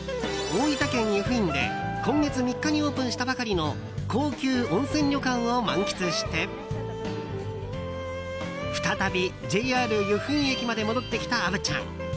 大分県由布院で今月３日にオープンしたばかりの高級温泉旅館を満喫して再びＪＲ由布院駅まで戻ってきた虻ちゃん。